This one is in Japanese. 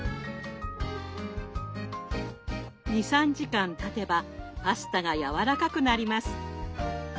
２３時間たてばパスタがやわらかくなります。